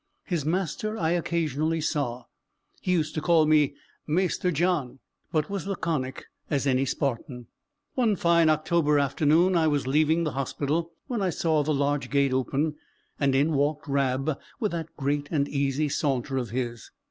His master I occasionally saw; he used to call me "Maister John," but was laconic as any Spartan. One fine October afternoon, I was leaving the hospital when I saw the large gate open, and in walked Rab, with that great and easy saunter of his.